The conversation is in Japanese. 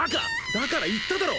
だから言っただろ！